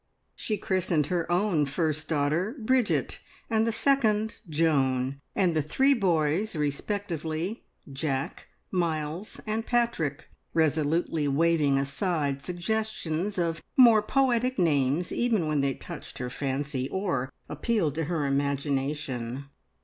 She christened her own first daughter Bridget, and the second Joan, and the three boys respectively Jack, Miles, and Patrick, resolutely waving aside suggestions of more poetic names even when they touched her fancy, or appealed to her imagination.